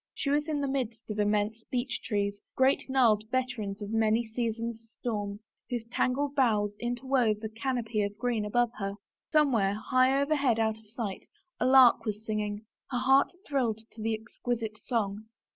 She was in the midst of immense beech trees, great, gnarled veterans of many season's storms, whose tangled boughs interwove a can opy of green above her. Somewhere, high overhead out of sight, a lark was singing. Her heart thrilled to the exquisite song.